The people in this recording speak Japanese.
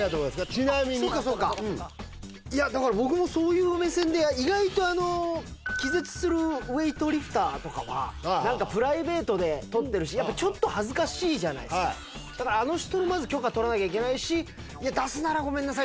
ちなみにいやだから僕もそういう目線で意外とあの気絶するウエイトリフターとかは何かプライベートで撮ってるしちょっと恥ずかしいじゃないですかだからあの人のまず許可取らなきゃいけないし出すならごめんなさい